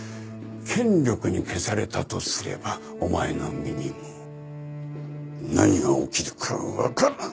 権力に消されたとすればお前の身にも何が起きるかわからん。